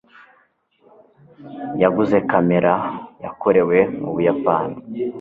yaguze kamera yakorewe mu Buyapani.